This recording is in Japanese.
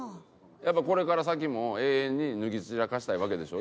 やっぱこれから先も永遠に脱ぎ散らかしたいわけでしょ？